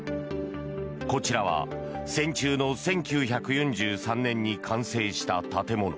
こちらは、戦中の１９４３年に完成した建物。